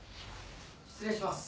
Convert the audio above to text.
失礼します